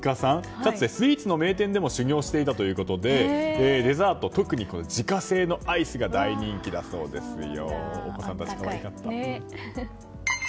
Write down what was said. かつてスイーツの名店でも修業していたということでデザート、特に自家製のアイスが大人気だそうですよ。